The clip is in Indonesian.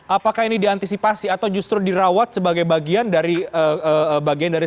apakah ini diantisipasi atau justru dirawat sebagai bagian dari